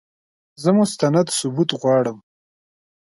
زه مستند ثبوت غواړم !